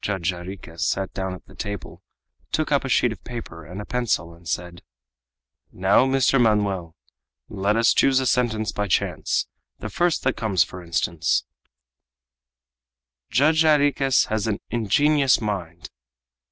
Judge Jarriquez sat down at the table, took up a sheet of paper and a pencil, and said: "Now, Mr. Manoel, let us choose a sentence by chance, the first that comes; for instance: _Judge Jarriquez has an ingenious mind.